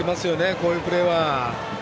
こういうプレーは。